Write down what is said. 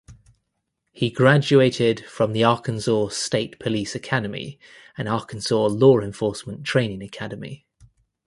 He graduated from the Arkansas State Police Academy and Arkansas Law Enforcement Training Academy.